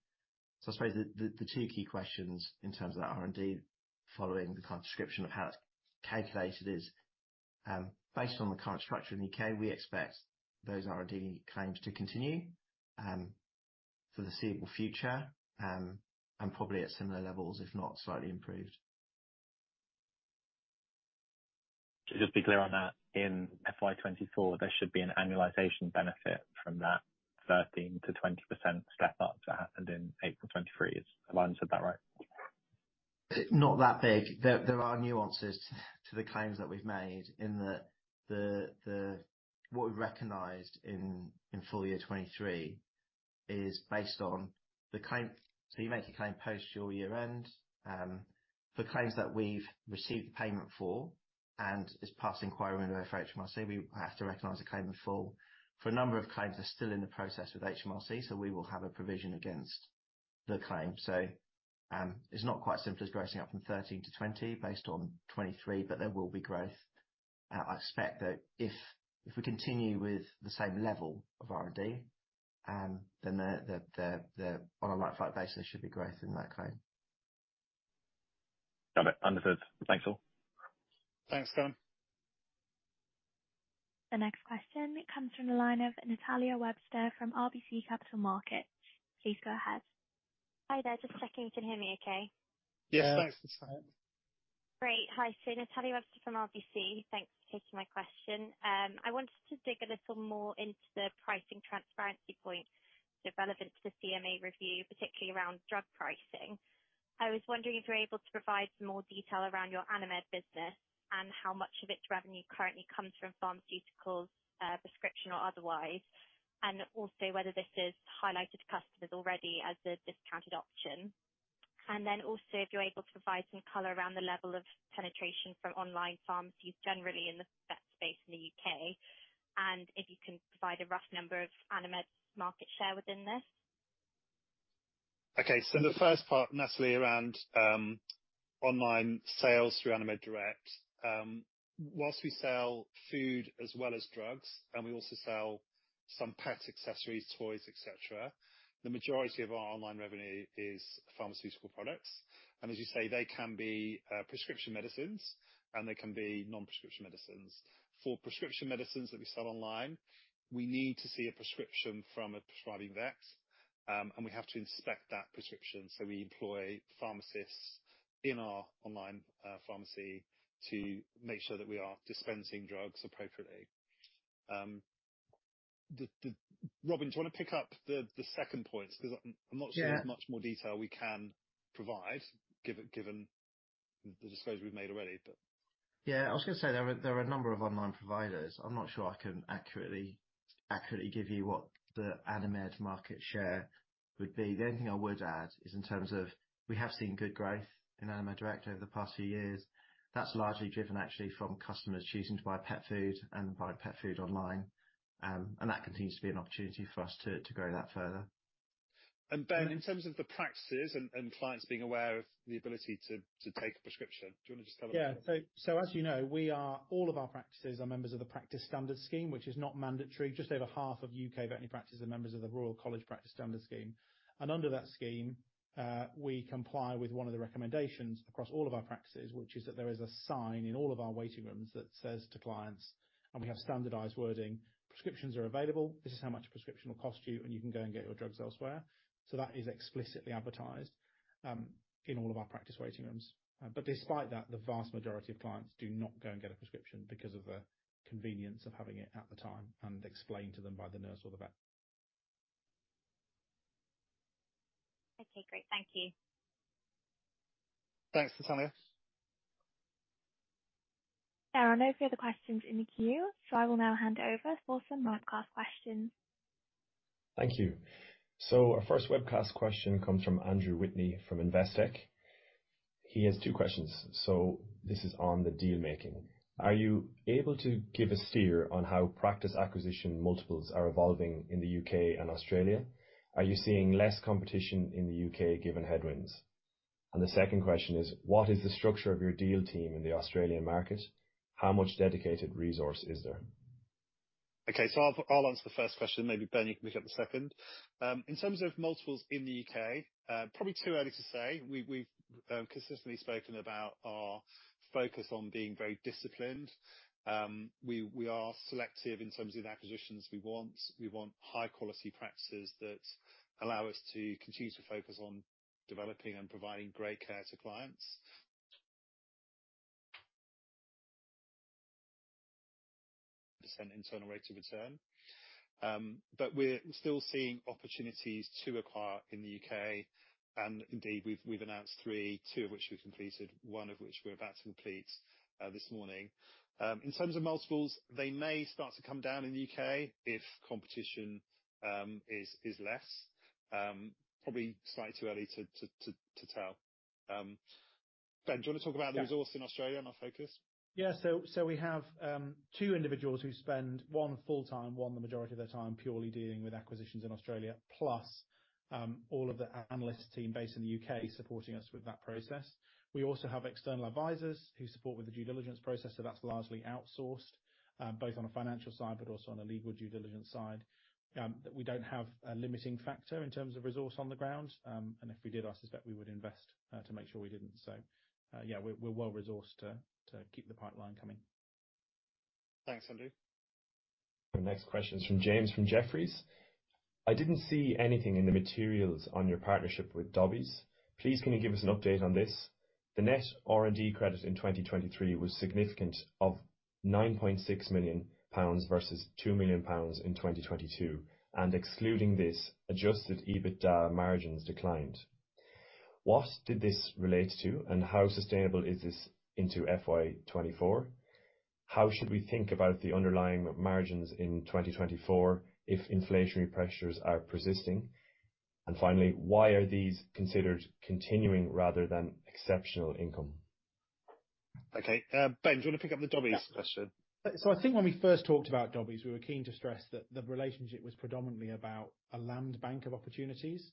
So I suppose the two key questions in terms of that R&D, following the kind of description of how it's calculated, is based on the current structure in the U.K., we expect those R&D claims to continue.... for the foreseeable future, and probably at similar levels, if not slightly improved. Just be clear on that. In FY 24, there should be an annualization benefit from that 13%-20% step up that happened in April 2023. Have I understood that right? Not that big. There are nuances to the claims that we've made in that the what we recognized in full year 2023 is based on the claim. So you make a claim post your year-end, for claims that we've received payment for, and it's passed inquiry with HMRC, we have to recognize the claim in full. For a number of claims are still in the process with HMRC, so we will have a provision against the claim. So, it's not quite as simple as pricing up from 13 to 20 based on 2023, but there will be growth. I expect that if we continue with the same level of R&D, then the on a like-for-like basis, there should be growth in that claim. Got it. Understood. Thanks, all. Thanks, Calum. The next question comes from the line of Natalia Webster from RBC Capital Markets. Please go ahead. Hi there. Just checking you can hear me okay? Yes. Yes. Great. Hi, so Natalia Webster from RBC. Thanks for taking my question. I wanted to dig a little more into the pricing transparency point relevant to the CMA review, particularly around drug pricing. I was wondering if you were able to provide some more detail around your Animed business and how much of its revenue currently comes from pharmaceuticals, prescription or otherwise, and also whether this is highlighted to customers already as a discounted option. And then also, if you're able to provide some color around the level of penetration from online pharmacies generally in the vet space in the U.K., and if you can provide a rough number of Animed's market share within this. Okay. The first part, Natalie, around online sales through Animed Direct. Whilst we sell food as well as drugs, and we also sell some pet accessories, toys, et cetera, the majority of our online revenue is pharmaceutical products. As you say, they can be prescription medicines, and they can be non-prescription medicines. For prescription medicines that we sell online, we need to see a prescription from a prescribing vet, and we have to inspect that prescription, so we employ pharmacists in our online pharmacy to make sure that we are dispensing drugs appropriately. The, the... Robin, do you want to pick up the second point? Because I'm not sure— Yeah... there's much more detail we can provide, given the disclosures we've made already, but. Yeah, I was going to say there are a number of online providers. I'm not sure I can accurately give you what the Animed market share would be. The only thing I would add is in terms of we have seen good growth in Animed Direct over the past few years. That's largely driven, actually, from customers choosing to buy pet food and buy pet food online. And that continues to be an opportunity for us to grow that further. Ben, in terms of the practices and clients being aware of the ability to take a prescription, do you want to just tell us? Yeah. So as you know, we are all of our practices are members of the Practice Standards Scheme, which is not mandatory. Just over half of U.K. veterinary practices are members of the Royal College Practice Standards Scheme. And under that scheme, we comply with one of the recommendations across all of our practices, which is that there is a sign in all of our waiting rooms that says to clients, and we have standardized wording: "Prescriptions are available. This is how much a prescription will cost you, and you can go and get your drugs elsewhere." So that is explicitly advertised in all of our practice waiting rooms. But despite that, the vast majority of clients do not go and get a prescription because of the convenience of having it at the time and explained to them by the nurse or the vet. Okay, great. Thank you. Thanks, Natalia. There are no further questions in the queue, so I will now hand over for some webcast questions. Thank you. So our first webcast question comes from Andrew Whitney, from Investec. He has two questions. So this is on the deal making. Are you able to give a steer on how practice acquisition multiples are evolving in the U.K. and Australia? Are you seeing less competition in the U.K. given headwinds? And the second question is, what is the structure of your deal team in the Australian market? How much dedicated resource is there? Okay, I'll answer the first question. Maybe, Ben, you can pick up the second. In terms of multiples in the U.K., probably too early to say. We've consistently spoken about our focus on being very disciplined. We are selective in terms of the acquisitions we want. We want high quality practices that allow us to continue to focus on developing and providing great care to clients. Percent internal rate of return. We're still seeing opportunities to acquire in the U.K. Indeed, we've announced three, two of which we've completed, one of which we're about to complete this morning. In terms of multiples, they may start to come down in the U.K. if competition is less. Probably slightly too early to tell. Ben, do you want to talk about the resource in Australia and our focus? Yeah. So we have two individuals who spend one full-time, one the majority of their time, purely dealing with acquisitions in Australia, plus all of the analyst team based in the U.K. supporting us with that process. We also have external advisors who support with the due diligence process, so that's largely outsourced, both on a financial side but also on a legal due diligence side. That we don't have a limiting factor in terms of resource on the ground. And if we did, I suspect we would invest to make sure we didn't. So yeah, we're well-resourced to keep the pipeline coming.... Thanks, Andrew. The next question is from James, from Jefferies. "I didn't see anything in the materials on your partnership with Dobbies. Please, can you give us an update on this? The net R&D credit in 2023 was significant, of 9.6 million pounds versus 2 million pounds in 2022, and excluding this, adjusted EBITDA margins declined. What did this relate to, and how sustainable is this into FY 2024? How should we think about the underlying margins in 2024 if inflationary pressures are persisting? And finally, why are these considered continuing rather than exceptional income? Okay, Ben, do you want to pick up the Dobbies question? So I think when we first talked about Dobbies, we were keen to stress that the relationship was predominantly about a land bank of opportunities.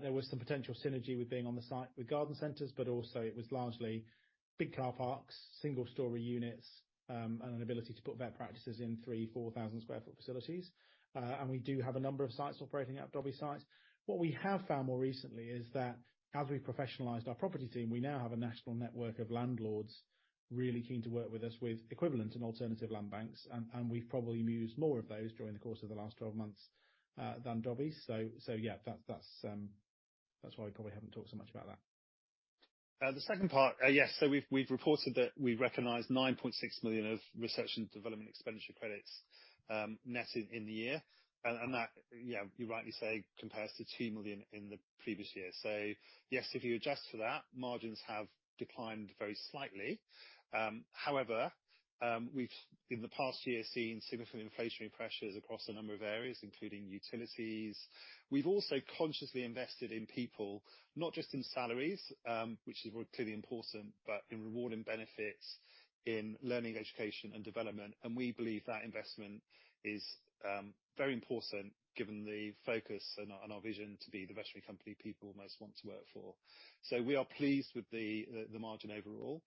There was some potential synergy with being on the site with garden centers, but also it was largely big car parks, single-story units, and an ability to put vet practices in 3,000-4,000 sq ft facilities. And we do have a number of sites operating at Dobbies sites. What we have found more recently is that as we professionalized our property team, we now have a national network of landlords really keen to work with us with equivalent and alternative land banks, and we've probably used more of those during the course of the last 12 months than Dobbies. So, yeah, that's why we probably haven't talked so much about that. The second part, yes, we've reported that we recognized 9.6 million of Research and Development Expenditure Credits, netted in the year. That, you rightly say, compares to 2 million in the previous year. Yes, if you adjust for that, margins have declined very slightly. However, we've, in the past year, seen significant inflationary pressures across a number of areas, including utilities. We've also consciously invested in people, not just in salaries, which is clearly important, but in reward and benefits, in learning, education, and development. We believe that investment is very important given the focus and our vision to be the veterinary company people most want to work for. We are pleased with the margin overall.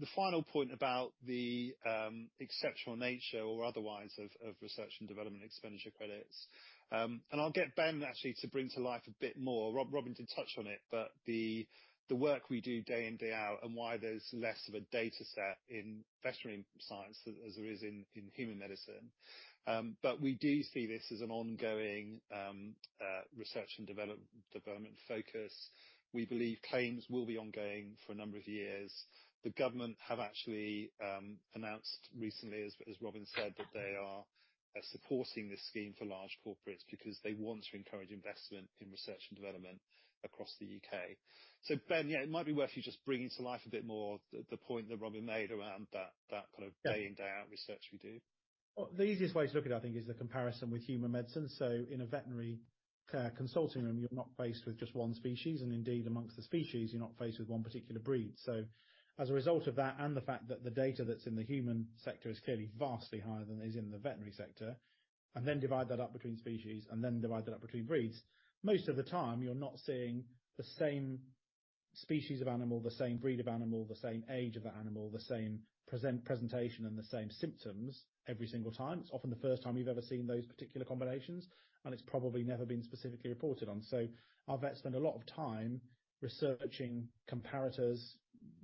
The final point about the exceptional nature or otherwise of Research and Development Expenditure Credits, and I'll get Ben actually to bring to life a bit more. Robin did touch on it, but the work we do day in, day out, and why there's less of a data set in veterinary science as there is in human medicine. But we do see this as an ongoing research and development focus. We believe claims will be ongoing for a number of years. The government have actually announced recently, as Robin said, that they are supporting this scheme for large corporates because they want to encourage investment in research and development across the U.K. So Ben, yeah, it might be worth you just bringing to life a bit more the point that Robin made around that kind of day in, day out research we do. Well, the easiest way to look at it, I think, is the comparison with human medicine. So in a veterinary care consulting room, you're not faced with just one species, and indeed, among the species, you're not faced with one particular breed. So as a result of that, and the fact that the data that's in the human sector is clearly vastly higher than it is in the veterinary sector, and then divide that up between species, and then divide that up between breeds, most of the time you're not seeing the same species of animal, the same breed of animal, the same age of the animal, the same presentation, and the same symptoms every single time. It's often the first time you've ever seen those particular combinations, and it's probably never been specifically reported on. So our vets spend a lot of time researching comparators,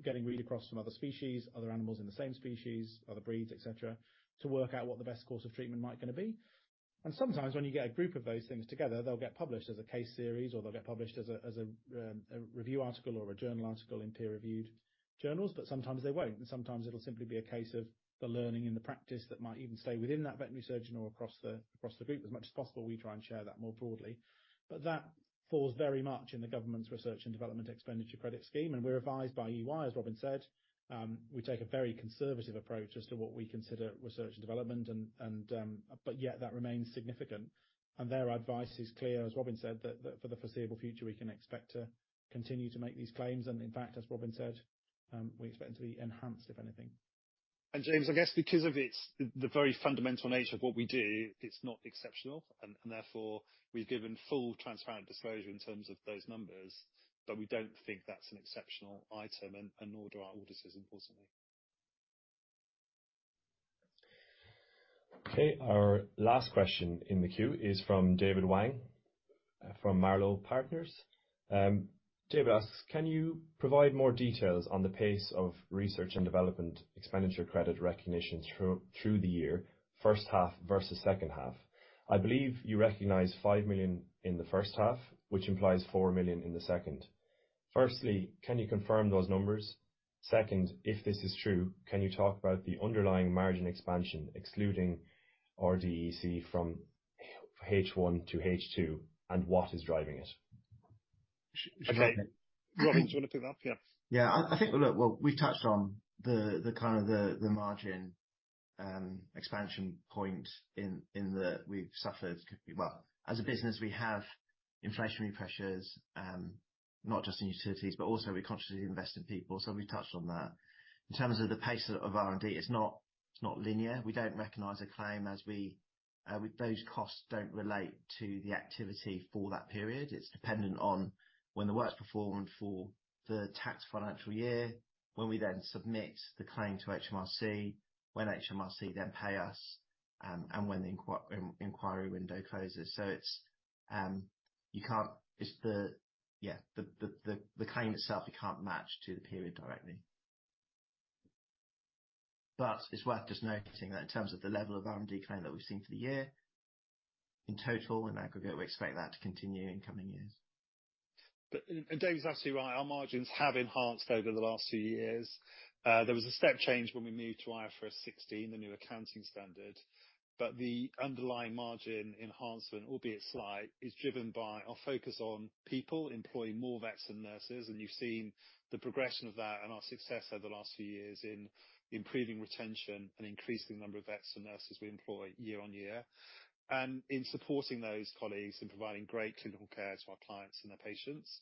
getting read across from other species, other animals in the same species, other breeds, et cetera, to work out what the best course of treatment might gonna be. And sometimes when you get a group of those things together, they'll get published as a case series, or they'll get published as a review article or a journal article in peer-reviewed journals. But sometimes they won't, and sometimes it'll simply be a case of the learning in the practice that might even stay within that veterinary surgeon or across the group. As much as possible, we try and share that more broadly. But that falls very much in the government's Research and Development Expenditure Credit scheme, and we're advised by EY as Robin said. We take a very conservative approach as to what we consider research and development, and but yet that remains significant. Their advice is clear, as Robin said, that for the foreseeable future, we can expect to continue to make these claims. In fact, as Robin said, we expect them to be enhanced, if anything. And James, I guess because of its, the very fundamental nature of what we do, it's not exceptional, and therefore, we've given full transparent disclosure in terms of those numbers, but we don't think that's an exceptional item, and nor do our auditors, importantly. Okay, our last question in the queue is from David Wang, from Marlowe Partners. David asks, "Can you provide more details on the pace of Research and Development Expenditure Credit recognition through the year, first half versus second half? I believe you recognized 5 million in the first half, which implies 4 million in the second. Firstly, can you confirm those numbers? Second, if this is true, can you talk about the underlying margin expansion, excluding RDEC from H1 to H2, and what is driving it? Okay. Robin, do you want to pick up? Yeah. Yeah, I think, look, well, we've touched on the kind of the margin expansion point in that we've suffered—well, as a business, we have inflationary pressures, not just in utilities, but also we consciously invest in people, so we've touched on that. In terms of the pace of R&D, it's not linear. We don't recognize a claim as we—those costs don't relate to the activity for that period. It's dependent on when the work's performed for the tax financial year, when we then submit the claim to HMRC, when HMRC then pay us, and when the inquiry window closes. It's, you can't—it's the... Yeah, the claim itself, you can't match to the period directly. It's worth just noting that in terms of the level of R&D claim that we've seen for the year, in total, in aggregate, we expect that to continue in coming years. But, and David's absolutely right, our margins have enhanced over the last few years. There was a step change when we moved to IFRS 16, the new accounting standard, but the underlying margin enhancement, albeit slight, is driven by our focus on people, employing more vets and nurses, and you've seen the progression of that and our success over the last few years in improving retention and increasing the number of vets and nurses we employ year on year. And in supporting those colleagues and providing great clinical care to our clients and their patients.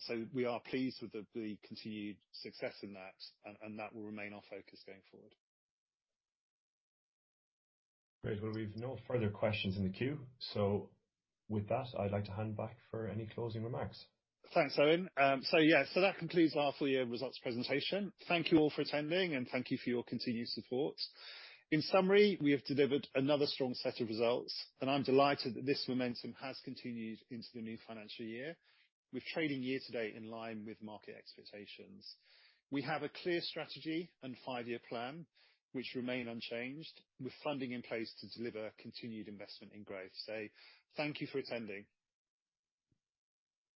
So we are pleased with the continued success in that, and that will remain our focus going forward. Great. Well, we've no further questions in the queue, so with that, I'd like to hand back for any closing remarks. Thanks, Owen. So yeah, so that concludes our full year results presentation. Thank you all for attending, and thank you for your continued support. In summary, we have delivered another strong set of results, and I'm delighted that this momentum has continued into the new financial year, with trading year to date in line with market expectations. We have a clear strategy and five-year plan, which remain unchanged, with funding in place to deliver continued investment in growth. So thank you for attending.